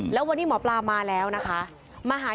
แล้ววันนี้หมอปลามาแล้วนะคะ